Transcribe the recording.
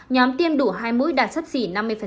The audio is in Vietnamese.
nhóm tiêm đủ hai mũi đạt sấp xỉ năm mươi